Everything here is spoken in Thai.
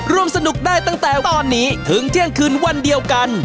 ร่วมสนุกได้ตั้งแต่ตอนนี้ถึงเที่ยงคืนวันเดียวกัน